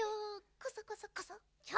コソコソコソ。